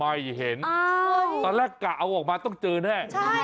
ไม่เห็นตอนแรกกะเอาออกมาต้องเจอแน่